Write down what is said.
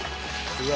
うわ！